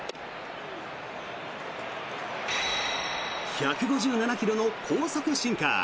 １５７ｋｍの高速シンカー。